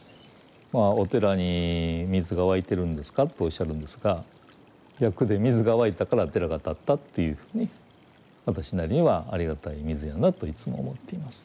まあお寺に水が湧いてるんですかとおっしゃるんですが逆で水が湧いたから寺が建ったっていうふうに私なりにはありがたい水やなといつも思っています。